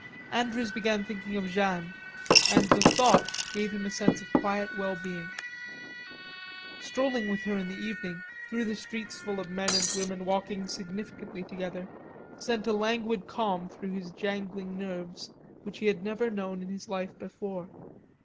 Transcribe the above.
Andrews began thinking of Jeanne and the thought gave him a sense of quiet well being. Strolling with her in the evening through the streets full of men and women walking significantly together sent a languid calm through his jangling nerves which he had never known in his life before.